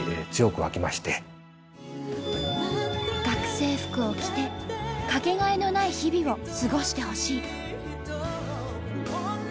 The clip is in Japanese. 「学生服を着てかけがえのない日々を過ごしてほしい」。